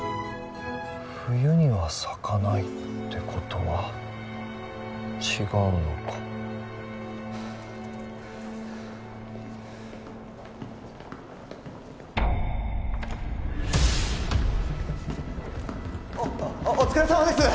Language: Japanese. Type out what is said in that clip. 冬には咲かないってことは違うのかおお疲れさまです